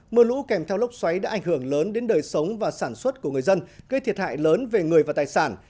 mưa lũ kèm theo lốc xoáy đã ảnh hưởng lớn đến đời sống và sản xuất của người dân gây thiệt hại lớn về người và tài sản